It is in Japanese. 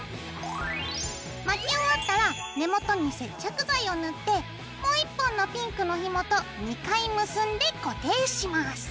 巻き終わったら根元に接着剤を塗ってもう１本のピンクのひもと２回結んで固定します。